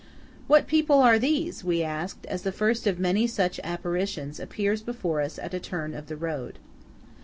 "What people are these?" we ask, as the first of many such apparitions appears before us at a turn of the road.